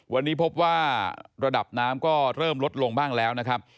วันนี้พบว่าระดับน้ำก็เริ่มลดลงบ้างแล้วนะครับ